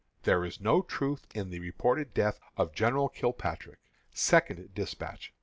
"There is no truth in the reported death of General Kilpatrick." (SECOND DESPATCH.)